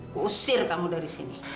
kusir kamu dari sini